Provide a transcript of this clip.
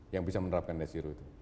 yang bisa menerapkan net zero itu